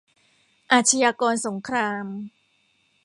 อาชญากรสงคราม